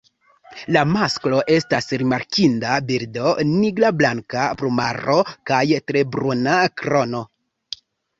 La masklo estas rimarkinda birdo nigrablanka plumaro kaj tre bruna krono.